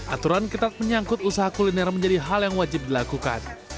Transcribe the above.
aturan ketat menyangkut usaha kuliner menjadi hal yang wajib dilakukan